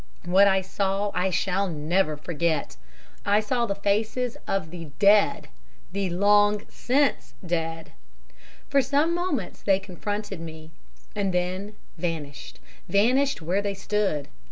What I saw I shall never forget. I saw the faces of the DEAD the LONG SINCE dead. For some moments they confronted me, and then vanished, vanished where they stood.